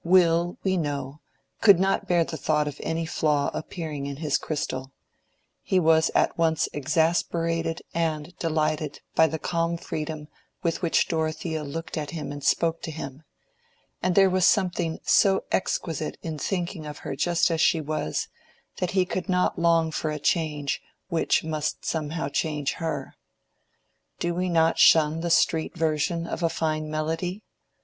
Will, we know, could not bear the thought of any flaw appearing in his crystal: he was at once exasperated and delighted by the calm freedom with which Dorothea looked at him and spoke to him, and there was something so exquisite in thinking of her just as she was, that he could not long for a change which must somehow change her. Do we not shun the street version of a fine melody?